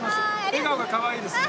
笑顔がかわいいですね。